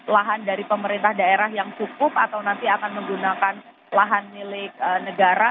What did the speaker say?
lahan dari pemerintah daerah yang cukup atau nanti akan menggunakan lahan milik negara